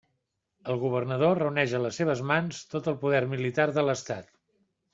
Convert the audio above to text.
El governador reuneix a les seves mans tot el poder militar de l'estat.